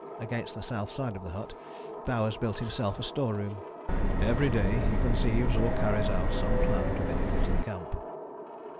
Against the south side of the hut Bowers built himself a store room. "Every day he conceives or carries out some plan to benefit the camp."